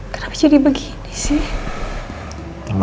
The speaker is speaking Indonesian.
kenapa jadi begini sih